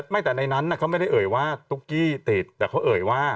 ไม่แต่ในนั้นเขาไม่ได้เอ่ยว่าตุ๊กกี้ติดแต่เขาเอ่ยว่า